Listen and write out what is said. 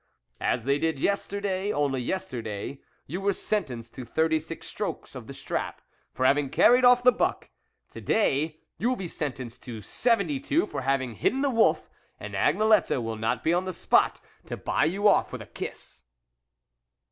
" As they did yesterday ; only yesterday you were sentenced to thirty six strokes of the strap, for having carried off the but k ; to day, you will be sentenced to seventy two, for having hidden the wolf, and Agnelette will not be on the spot to buy you off with a kiss."